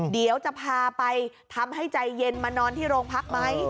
เดี๋ยวจะพาไปทำให้ใจเย็นมานอนที่โรงพักไหม